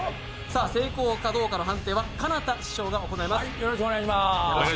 成功かどうかの判定はかなた師匠が行います。